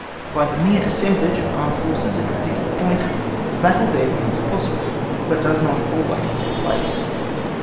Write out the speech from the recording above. By the mere assemblage of armed forces at a particular point, a battle there becomes possible, but does not always take place.